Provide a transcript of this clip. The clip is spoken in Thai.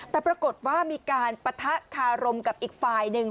แต่ปรากฏว่ามีการปะทะคารมกับอีกฝ่ายหนึ่ง